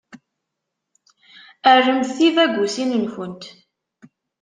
Rremt tibagusin-nkent.